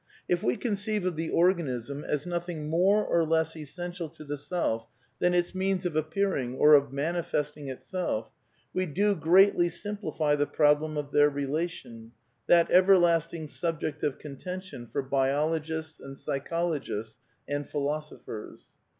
If we conceive of the organism as nothing more or less essential to the self than its means of appear ing, of manifesting itself, we do greatly simplify the prob lem of their relation, that everlasting subject of contention for biologists and psychologists and philosophers.